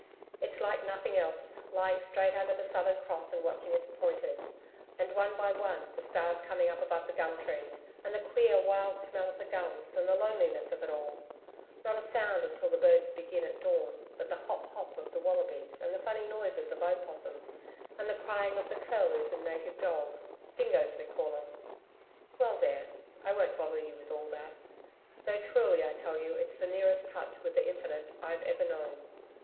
It's like nothing else lying straight under the Southern Cross and watching its pointers, and, one by one, the stars coming up above the gum trees and the queer wild smell of the gums and the loneliness of it all not a sound until the birds begin at dawn but the HOP HOP of the Wallabies, and the funny noises of opossums, and the crying of the curlews and native dogs dingoes we call 'em.... Well, there! I won't bother you with all that though, truly, I tell you, it's the nearest touch with the Infinite I'VE ever known....